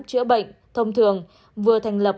chữa bệnh thông thường vừa thành lập